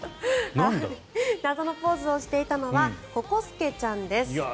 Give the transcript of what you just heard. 謎のポーズをしていたのはココすけちゃんです。